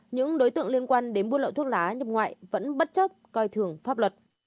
những đối tượng liên quan đến buôn lậu thuốc lá nhập ngoại vẫn bất chấp coi thường pháp luật